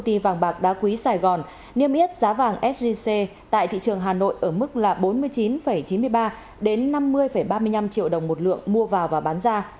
công ty vàng bạc đá quý sài gòn niêm yết giá vàng sgc tại thị trường hà nội ở mức là bốn mươi chín chín mươi ba năm mươi ba mươi năm triệu đồng một lượng mua vào và bán ra